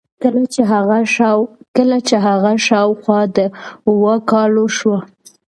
کله چې هغه شاوخوا د اوو کالو شو.